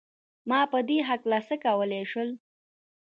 ما په دې هکله څه کولای شول؟